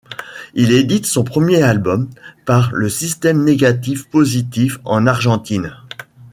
Il édite son premier album par le système négatif-positif en Argentine.